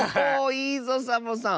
いいぞサボさん。